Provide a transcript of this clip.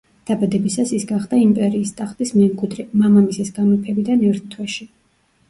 დაბადებისას ის გახდა იმპერიის ტახტის მემკვიდრე, მამამისის გამეფებიდან ერთ თვეში.